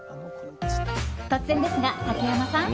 突然ですが、竹山さん。